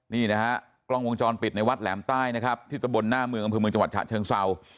นี่นะฮะกล้องวงจรปิดในวัดแหลมใต้นะครับที่ตะบนหน้าเมืองอำเภอเมืองจังหวัดฉะเชิงเศร้า